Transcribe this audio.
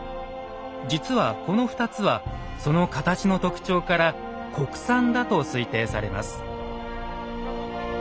実はこの２つはその形の特徴から国産だと推定されます。